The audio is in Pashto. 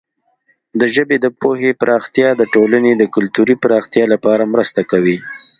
د ژبې د پوهې پراختیا د ټولنې د کلتوري پراختیا لپاره مرسته کوي.